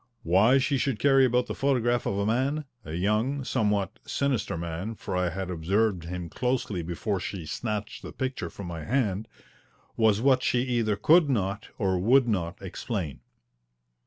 Why she should carry about the photograph of a man a young, somewhat sinister man, for I had observed him closely before she snatched the picture from my hand was what she either could not, or would not, explain.